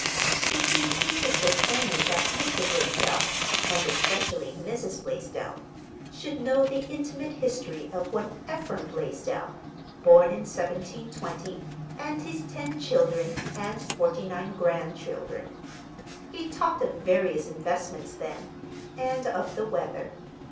He seemed interested only that Mr. Blaisdell, and especially Mrs. Blaisdell, should know the intimate history of one Ephraim Blaisdell, born in 1720, and his ten children and forty nine grandchildren. He talked of various investments then, and of the weather.